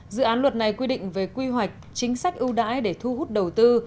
dự án luật này quy định về quy hoạch chính sách ưu đãi để thu hút đầu tư